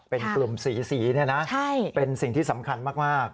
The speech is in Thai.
เป็นกลุ่มสีเป็นสิ่งที่สำคัญมาก